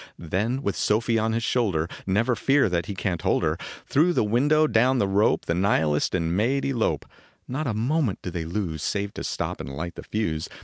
Then with Sofie on his shoulder Never fear that he can t hold her Through the window down the rope, The nihilist and maid elope. Not a moment do they lose Save to stop and light the fuse.